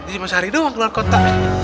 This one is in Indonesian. ini masih hari doang keluar kota